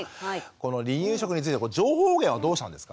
この離乳食について情報源はどうしたんですか？